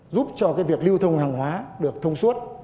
giúp cho việc lưu thông hàng hóa được thông suốt